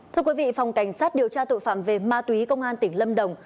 thưa quý vị phòng cảnh sát điều tra tội phạm về ma túy công an tỉnh lâm đồng